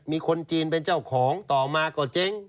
มีคนจีนเป็นเจ้าของต่อมาก็เจ๊ง